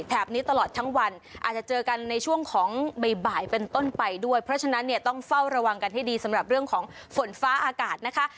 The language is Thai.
นี้ตลอดทั้งวันอาจจะเจอกันในช่วงของบ่ายเป็นต้นไปด้วยเพราะฉะนั้นเนี่ยต้องเฝ้าระวังกันให้ดีสำหรับเรื่องของฝนฟ้าอากาศนะคะ